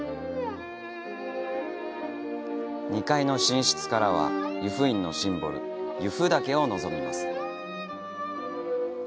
２階の寝室からは湯布院のシンボル・由布岳を望みます。